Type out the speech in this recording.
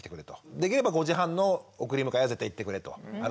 できれば５時半の送り迎えは絶対行ってくれと。